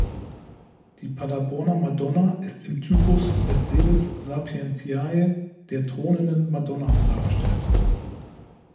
Die Paderborner Madonna ist im Typus der "Sedes sapientiae", der thronenden Madonna, dargestellt.